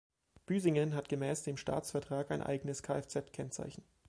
Büsingen hat gemäß dem Staatsvertrag ein eigenes Kfz-Kennzeichen.